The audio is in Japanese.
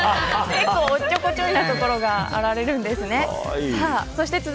おっちょこちょいなところがあるんですね。